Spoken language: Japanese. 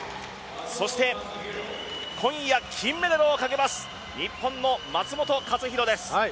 そして今夜、金メダルをかけます日本の松元克央です。